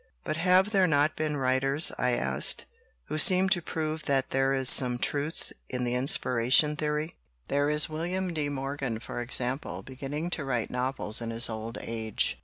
"But have there not been writers," I asked, "who seem to prove that there is some truth in the inspiration theory? There is William de Morgan, for example, beginning to write novels in his old age.